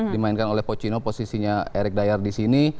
dimainkan oleh pochino posisinya eric dyer di sini